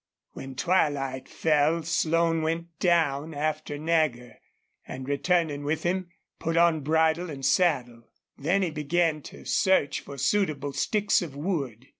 When twilight fell Slone went down after Nagger and, returning with him, put on bridle and saddle. Then he began to search for suitable sticks of wood.